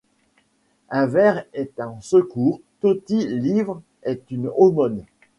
Un vers est un secours ; totit livre est une aumône.